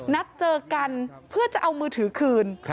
นัดเจอกันเพื่อจะเอามือถือคืน